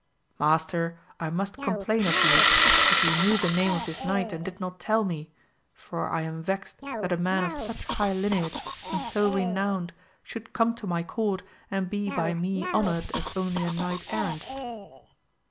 Mas ter I must complain of you, if you knew the name of this knight and did not tell me, for I am vexed that a man of such high lineage and so renowned should come to my court and be by me honoured as only a knight errant.